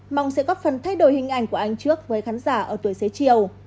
mong sẽ góp phần thay đổi hình ảnh của anh trước với khán giả ở tuổi xế chiều